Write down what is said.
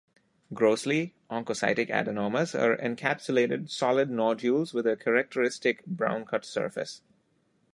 Grossly, oncocytic adenomas are encapsulated, solid nodules with a characteristic brown cut surface.